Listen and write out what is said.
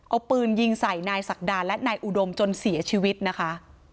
เอาปืนยิงใส่นายศักดาและนายอุดมจนเสียชีวิตนะคะ